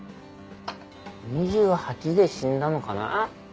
２８で死んだのかな？